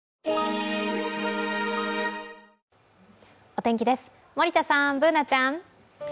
お天気です、森田さん、Ｂｏｏｎａちゃん。